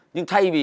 nhưng thay vì